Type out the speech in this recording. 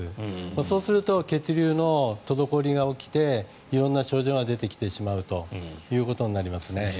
そうすると血流の滞りが起きて色んな症状が出てきてしまうということになります。